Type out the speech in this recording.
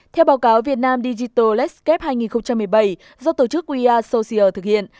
theo báo cáo việt nam digital let s gap hai nghìn một mươi bảy do tổ chức we are social thực hiện